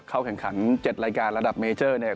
เข้าแข่งขัน๗รายการระดับเมเจอร์เนี่ย